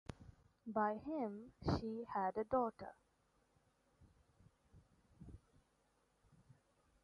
By him she had a daughter.